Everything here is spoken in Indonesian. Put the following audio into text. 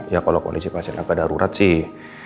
ya kalau kualifikasi pasien gak ada darurat sih